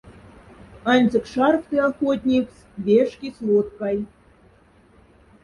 Аньцек шарфты охотниксь, вяшкись лоткай.